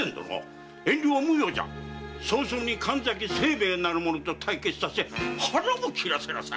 早々に神崎清兵衛なる者と対決させ腹を切らせなさい！